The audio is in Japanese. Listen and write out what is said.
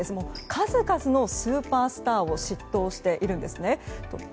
数々のスーパースターを執刀しているんですね。